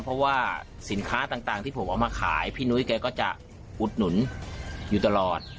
เพราะว่าสินค้าต่างที่ผมเอามาขายพี่นุ้ยแกก็จะอุดหนุนอยู่ตลอด